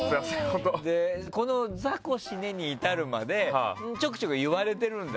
雑魚死ねに至るまでちょくちょく言われてるんだ？